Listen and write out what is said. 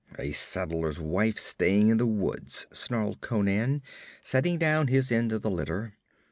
'A settler's wife straying in the woods,' snarled Conan, setting down his end of the litter.